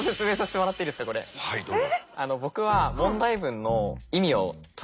あのはいどうぞ。